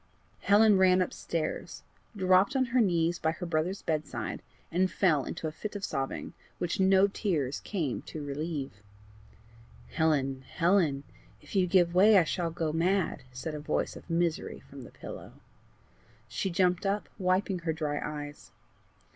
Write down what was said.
Helen ran upstairs, dropped on her knees by her brother's bedside, and fell into a fit of sobbing, which no tears came to relieve. "Helen! Helen! if you give way I shall go mad," said a voice of misery from the pillow. She jumped up, wiping her dry eyes.